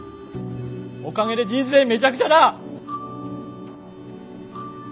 おかげで人生めちゃくちゃだ！